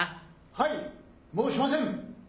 はいもうしません。